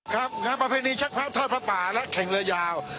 ครับงานประเพณีชักพระทอดพระป่าและแข่งเรือยาว